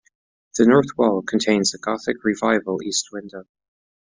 The north wall contains a Gothic Revival east window.